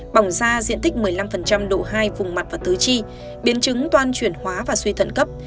bỏng da diện tích một mươi năm độ hai vùng mặt và tứ chi biến chứng toan chuyển hóa và suy thận cấp